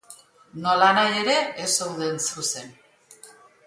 Nolanahi ere, ez zeuden zuzen.